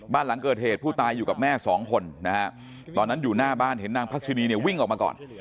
บ้านหลังเกิดเหตุผู้ตายอยู่กับแม่สองคนนะฮะตอนนั้นอยู่หน้าบ้านเห็นนางพัชนีเนี่ยวิ่งออกมาก่อน